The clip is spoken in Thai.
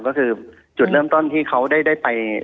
ก็คือจุดเริ่มต้นที่เขาได้ไป